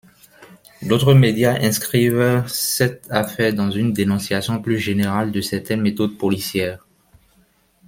D'autres médias inscrivent cette affaire dans une dénonciation plus générale de certaines méthodes policières.